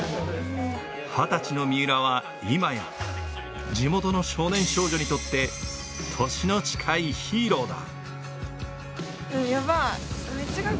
二十歳の三浦はいまや地元の少年少女にとって年の近いヒーローだ。